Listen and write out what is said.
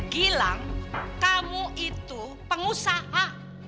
gilang kamu itu pengusaha